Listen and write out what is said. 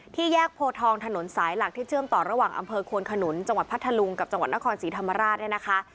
แยกโพทองถนนสายหลักที่เชื่อมต่อระหว่างอำเภอควนขนุนจังหวัดพัทธลุงกับจังหวัดนครศรีธรรมราชเนี่ยนะคะ